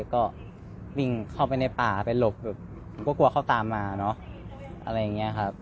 ก็วิ่งเข้าไปในป่าไปหลบแบบก็กลัวเขาตามมาเนอะอะไรอย่างนี้ครับ